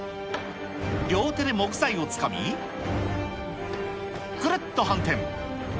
両手で木材をつかみ、くるっと反転。